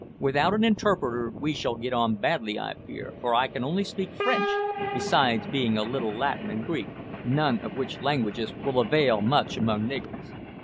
Without an interpreter we shall get on badly, I fear, for I can only speak French, besides a very little Latin and Greek, none of which languages will avail much among niggers."